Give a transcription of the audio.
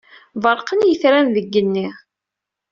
Berrqen yetran deg igenni.